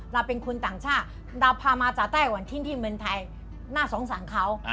เราเป็นคนต่างชาติเราพามาจากไต้หวันทิ้งที่เมืองไทยน่าสงสารเขา